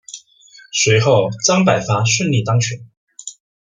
随后张百发顺利当选。